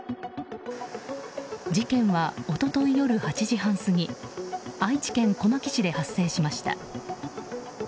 事件は一昨日夜８時半過ぎ愛知県小牧市で発生しました。